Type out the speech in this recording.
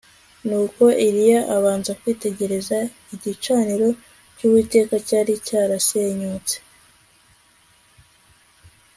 Nuko Eliya abanza kwitegereza igicaniro cyUwiteka cyari cyarasenyutse